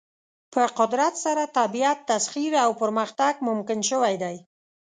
په قدرت سره طبیعت تسخیر او پرمختګ ممکن شوی دی.